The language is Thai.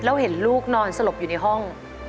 แล้วเห็นลูกนอนสลบอยู่ในห้อง